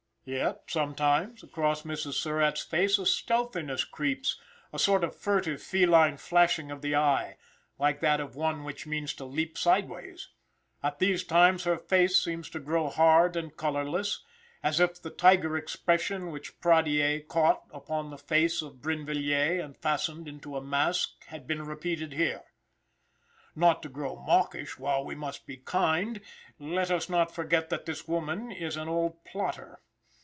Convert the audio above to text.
Yet, sometimes, across Mrs. Surratt's face a stealthiness creeps a sort of furtive, feline flashing of the eye, like that of one which means to leap sideways. At these times her face seems to grow hard and colorless, as if that tiger expression which Pradier caught upon the face of Brinvilliers and fastened into a masque, had been repeated here. Not to grow mawkish while we must be kind, let us not forget that this woman is an old plotter.